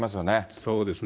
そうですね。